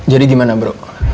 jadi gimana bro